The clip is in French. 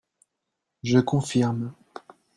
Je confirme